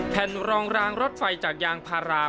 รองรางรถไฟจากยางพารา